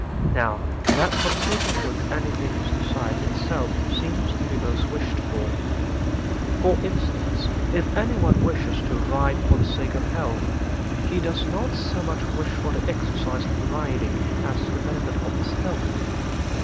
Now, that for the sake of which anything is desired itself seems to be most wished for. For instance, if anyone wishes to ride for the sake of health, he does not so much wish for the exercise of riding as the benefit of his health.